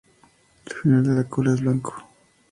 El final de la cola es blanco.